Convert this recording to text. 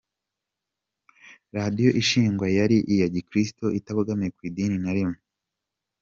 Radiyo ishingwa yari iya gikristo itabogamiye Ku idini na rimwe.